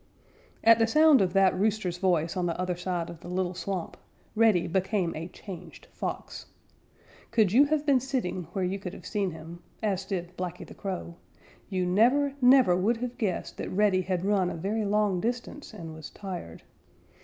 _ At the sound of that rooster's voice on the other side of the little swamp, Reddy became a changed Fox. Could you have been sitting where you could have seen him, as did Blacky the Crow, you never, never would have guessed that Reddy had run a very long distance and was tired.